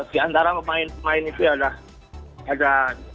di antara pemain pemain itu ada